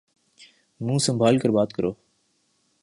منہ سنمبھال کر بات کرو۔